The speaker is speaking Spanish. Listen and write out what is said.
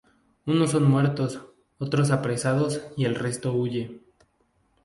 Unos son muertos, otros apresados y el resto huye.